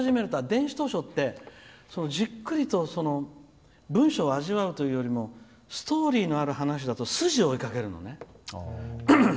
電子図書ってじっくりと文章を味わうというよりもストーリーのある話だと筋を追いかけるのね。